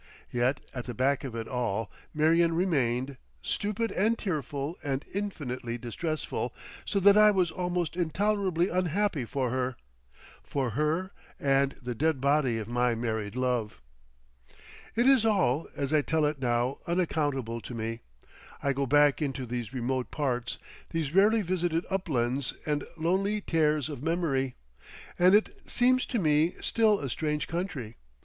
Yet at the back of it all Marion remained, stupid and tearful and infinitely distressful, so that I was almost intolerably unhappy for her—for her and the dead body of my married love. It is all, as I tell it now, unaccountable to me. I go back into these remote parts, these rarely visited uplands and lonely tares of memory, and it seems to me still a strange country.